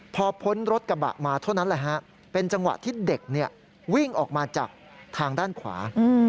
พอพ้นรถกระบะมาเท่านั้นแหละฮะเป็นจังหวะที่เด็กวิ่งออกมาจากทางด้านขวา